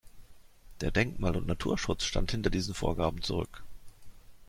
Der Denkmal- und Naturschutz stand hinter diesen Vorgaben zurück.